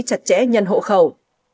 chặt chẽ nhân hộ khẩu